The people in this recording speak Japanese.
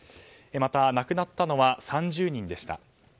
また、亡くなったのは３０人でした。